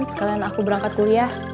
sekarang aku berangkat kuliah